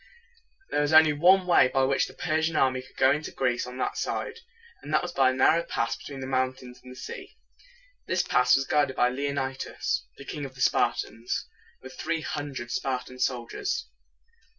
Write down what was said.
There was only one way by which the Per sian army could go into Greece on that side, and that was by a narrow pass between the mountains and the sea. This pass was guarded by Le on´i das, the King of the Spartans, with three hundred Spartan soldiers.